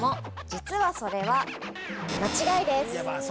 実はそれは、間違いです。